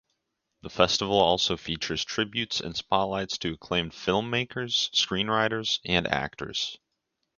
The festival also features tributes and spotlights to acclaimed filmmakers, screenwriters and actors.